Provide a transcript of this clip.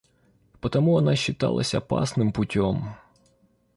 Потому она считалась опасным путём.